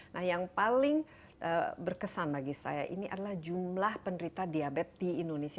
nah yang paling berkesan bagi saya ini adalah jumlah penderita diabetes di indonesia